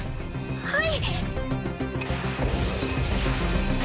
はい。